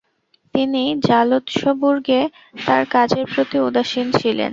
তিনি জালৎসবুর্গে তার কাজের প্রতি উদাসীন ছিলেন।